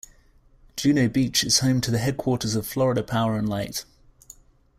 Juno Beach is home to the headquarters of Florida Power and Light.